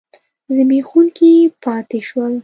زبېښونکي پاتې شول.